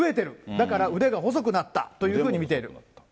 だから、腕が細くなったというふうに見ている。